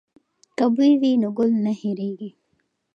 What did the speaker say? که بوی وي نو ګل نه هیرېږي.